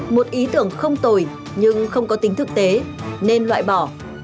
một ý tưởng không tồi nhưng không có tính thực tế nên loại bỏ